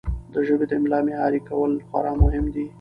د ژبې د املاء معیار کول خورا مهم دي.